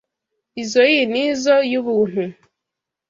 Izoi nizoo yubuntu.